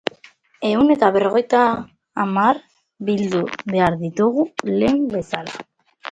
Ehun eta berrogeita hamar bildu behar ditugu, lehen bezala.